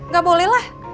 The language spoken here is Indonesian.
gak boleh lah